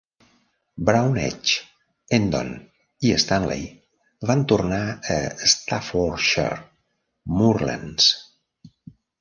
Brown Edge, Endon i Stanley van tornar a Staffordshire Moorlands.